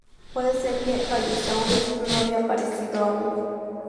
Puede ser que "Allosaurus" no había aparecido aún.